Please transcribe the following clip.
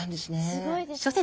すごいですね。